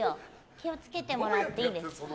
気を付けてもらっていいですか。